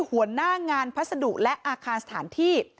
หัวหน้างานพัสดุและอาคารสถานที่